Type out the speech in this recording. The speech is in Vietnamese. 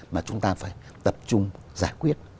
mà chúng ta phải tập trung giải quyết